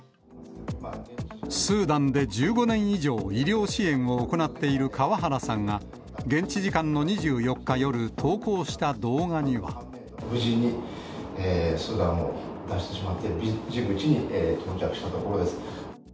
スーダンで１５年以上、医療支援を行っている川原さんが、現地時間の２４日夜、投稿した動無事にスーダンを脱出して、ジブチに到着したところです。